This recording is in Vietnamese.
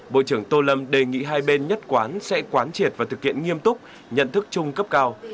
bộ trưởng tô lâm đề nghị hai bên nhất quán sẽ quán triệt và thực hiện nghiêm túc nhận thức chung cấp cao